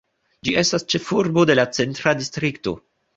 Ĝi estas ĉefurbo de la Centra distrikto.